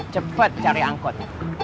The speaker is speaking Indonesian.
cepet cari angkot